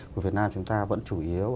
của việt nam chúng ta vẫn chủ yếu